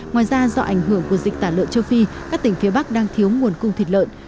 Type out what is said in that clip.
ngoài ra do ảnh hưởng của dịch tả lợn châu phi các tỉnh phía bắc đang thiếu nguồn cung thịt lợn